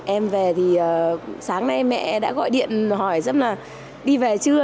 em về thì sáng nay mẹ đã gọi điện hỏi rất là đi về trưa